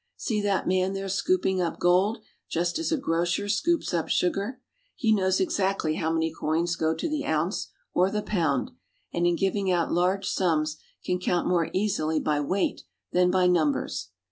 See that man there scooping up gold just as a grocer scoops up sugar. He knows exactly how many coins go to the ounce or the pound, and in giving out large sums can count more easily by weight than by numbers.